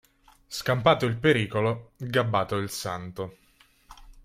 Scampato il pericolo, gabbato il Santo.